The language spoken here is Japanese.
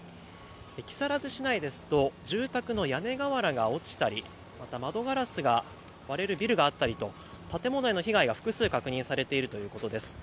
木更津市内ですと住宅の屋根瓦が落ちたりまた、窓ガラスが割れるビルがあったりと建物への被害が複数確認されているということです。